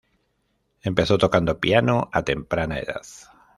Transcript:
Empezó tocando piano a temprana edad.